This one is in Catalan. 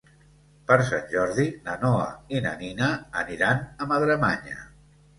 Per Sant Jordi na Noa i na Nina aniran a Madremanya.